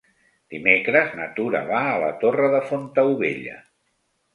Dimecres na Tura va a la Torre de Fontaubella.